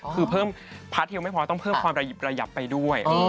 คือเพิ่มพาร์ทเทียลไม่พอต้องเพิ่มความระยิบระยับไปด้วย